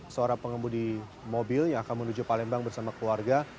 seorang pengemudi mobil yang akan menuju palembang bersama keluarga